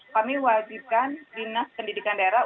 kami wajibkan dinas pendidikan daerah